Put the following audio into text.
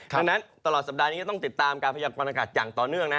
ดังนั้นตลอดสัปดาห์นี้ก็ต้องติดตามการพยากรณากาศอย่างต่อเนื่องนะ